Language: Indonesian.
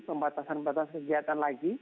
membatasan batasan kegiatan lagi